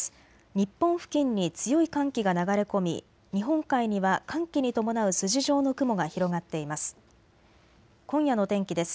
日本付近に強い寒気が流れ込み日本海には寒気に伴う筋状の雲が広がっています。